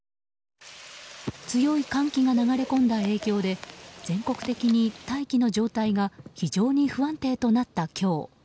強い寒気が流れ込んだ影響で全国的に大気の状態が非常に不安定になった今日。